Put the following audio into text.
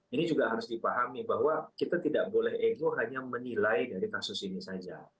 ini juga harus dipahami bahwa kita tidak boleh ego hanya menilai dari kasus ini saja